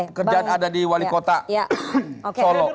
pekerjaan ada di wali kota solo